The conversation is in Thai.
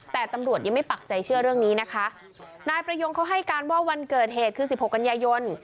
แต่ตำรวจยังไม่ปักใจเชื่อเรื่องนี้นะคะนายประยงเขาให้การว่าวันเกิดเหตุคือสิบหกกันยายน